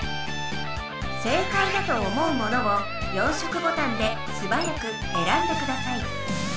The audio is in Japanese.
正解だと思うものを４色ボタンですばやくえらんでください。